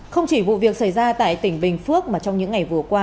không chỉ vụ việc xảy ra tại tỉnh bình phước mà trong những ngày vừa qua